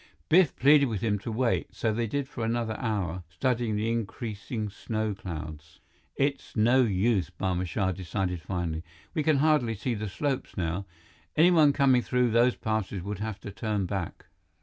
Biff pleaded with him to wait, so they did for another hour, studying the increasing snow clouds. "It's no use," Barma Shah decided finally. "We can hardly see the slopes now. Anyone coming through those passes would have to turn back."